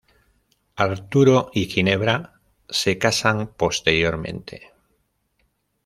Arturo y Ginebra se casan posteriormente.